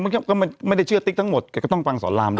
ก็ไม่ได้เชื่อติ๊กทั้งหมดแกก็ต้องฟังสอนรามนะ